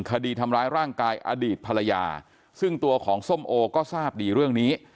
คดีทำร้ายร่างกายอดีตภรรยาซึ่งตัวของส้มโอก็ทราบดีเรื่องนี้